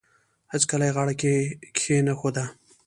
هیڅکله یې غاړه کښېنښوده.